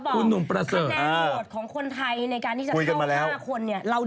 คะแนนโบสถ์ของคนไทยในการที่จะเข้ามา๕คนเนี่ย